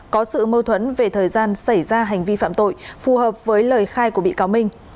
có sự mâu thuẫn về thời gian xảy ra hành vi phạm tội phù hợp với lời khai của bị cáo minh